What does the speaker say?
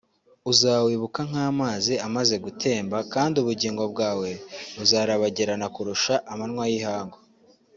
uzawibuka nk’amazi amaze gutemba kandi ubugingo bwawe buzarabagirana kurusha amanywa y’ihangu